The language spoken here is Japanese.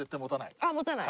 あっ持たない。